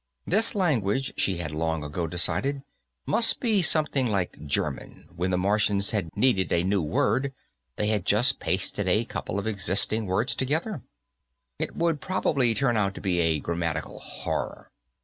This language, she had long ago decided, must be something like German; when the Martians had needed a new word, they had just pasted a couple of existing words together. It would probably turn out to be a grammatical horror.